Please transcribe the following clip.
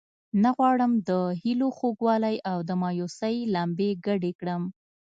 نه غواړم د هیلو خوږوالی او د مایوسۍ لمبې ګډې کړم.